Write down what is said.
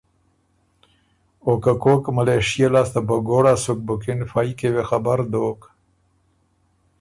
او که کوک ملېشئے لاسته بهګوړا سُک بُکِن فئ کی وې خبر دوک